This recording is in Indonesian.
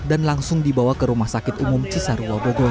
dan langsung dibawa ke rumah sakit umum cisarua bogor